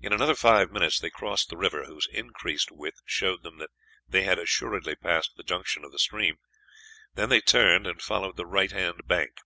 In another five minutes they crossed the river, whose increased width showed them that they had assuredly passed the junction of the stream. Then they turned and followed the right hand bank.